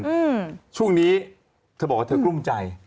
อืมช่วงนี้เธอบอกว่าเธอกลุ้มใจ